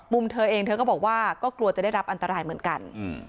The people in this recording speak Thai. เธอเองเธอก็บอกว่าก็กลัวจะได้รับอันตรายเหมือนกัน